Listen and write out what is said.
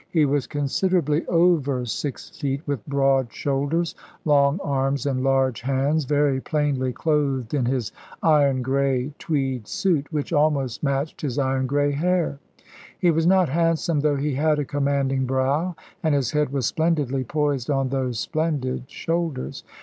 He was considerably over six feet, with broad shoulders, long arms, and large hands, very plainly clothed in his iron grey tweed suit, which almost matched his iron grey hair. He was not handsome, though he had a commanding brow and his head was splendidly poised on those splendid shoulders.